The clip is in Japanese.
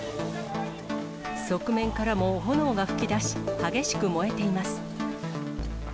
側面からも炎が噴き出し、激しく燃えています。